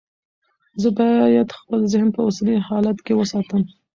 زه باید خپل ذهن په اوسني حالت کې وساتم.